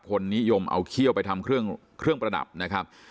คนนิยมเอาเขี้ยวไปทำเครื่องประดับนะครับ